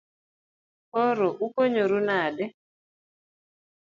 Koro ukonyoru nade?